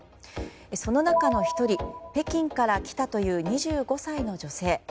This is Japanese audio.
その中の１人北京から来たという２５歳の女性。